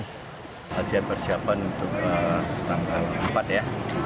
latihan persiapan untuk tanggal empat ya